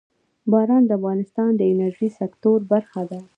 باران د افغانستان د انرژۍ سکتور برخه ده.